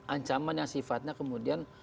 ancaman yang sifatnya kemudian